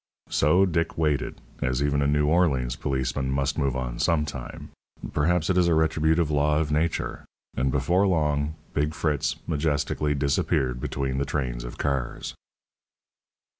So Dick waited, as even a New Orleans policeman must move on some time perhaps it is a retributive law of nature and before long "Big Fritz" majestically disappeared between the trains of cars.